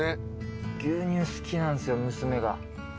牛乳好きなんすよ娘が。